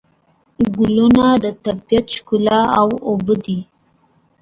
ګلونه د طبیعت ښکلا او بوی دی.